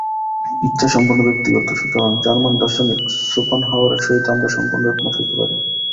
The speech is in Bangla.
ইচ্ছা সম্পূর্ণ ব্যক্তিগত সুতরাং জার্মান দার্শনিক শোপেনহাওয়ারের সহিত আমরা সম্পূর্ণ একমত হইতে পারি না।